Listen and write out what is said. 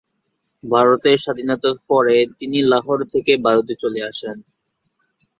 ভারতের স্বাধীনতার পরে তিনি লাহোর থেকে ভারতে চলে আসেন।